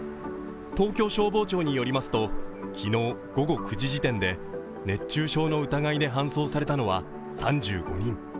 東京消防庁によりますと昨日午後９時時点で熱中症の疑いで搬送されたのは３５人。